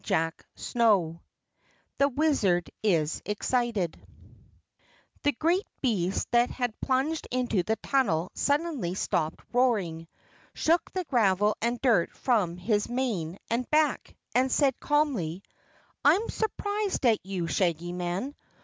CHAPTER 21 The Wizard Is Excited The great beast that had plunged into the tunnel suddenly stopped roaring, shook the gravel and dirt from his mane and back, and said calmly: "I'm surprised at you, Shaggy Man!